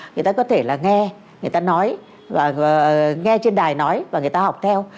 người ta có thể là nghe người ta nói và nghe trên đài nói và người ta học theo